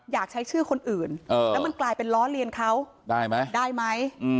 อยากใช้ชื่อคนอื่นแล้วมันกลายเป็นล้อเลียนเขาได้ไหมได้ไหม